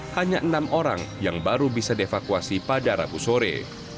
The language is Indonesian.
hanya enam orang yang baru bisa dievakuasi pada rabu sore